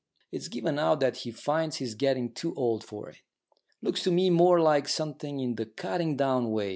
It's given out that he finds he's getting too old for it. Looks to me more like something in the cutting down way.